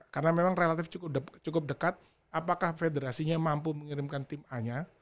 karena memang relatif cukup dekat apakah federasinya mampu mengirimkan tim a nya